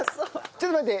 ちょっと待って。